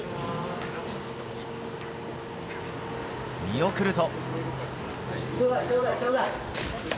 見送ると。